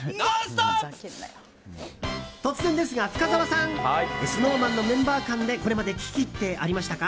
突然ですが、深澤さんＳｎｏｗＭａｎのメンバー間でこれまで危機ってありましたか？